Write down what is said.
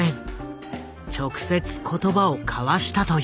直接言葉を交わしたという。